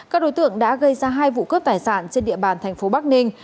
các đối tượng đã gây ra hai vụ cướp tài sản trên địa bàn thành phố bắc ninh